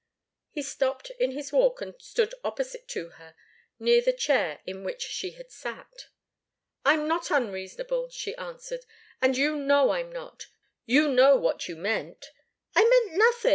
He stopped in his walk and stood opposite to her, near the chair in which she had sat. "I'm not unreasonable," she answered. "And you know I'm not. You know what you meant " "I meant nothing!"